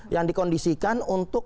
yang dikondisikan untuk